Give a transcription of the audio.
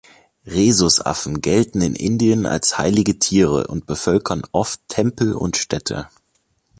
Rhesusaffen gelten in Indien als heilige Tiere und bevölkern oft Tempel und Städte.